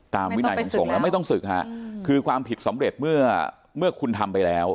วินัยของสงฆ์แล้วไม่ต้องศึกฮะคือความผิดสำเร็จเมื่อเมื่อคุณทำไปแล้ว